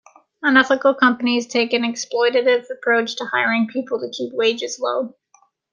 Unethical companies take an exploitative approach to hiring people to keep wages low.